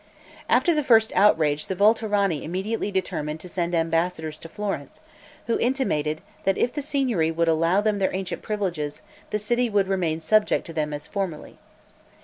After the first outrage, the Volterrani immediately determined to send ambassadors to Florence, who intimated, that if the Signory would allow them their ancient privileges, the city would remain subject to them as formerly.